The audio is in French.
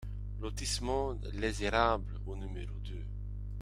Lotissement Les Érables au numéro deux